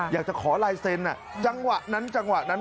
อยากจะขอลายเซ็นต์จังหวะนั้นจังหวะนั้น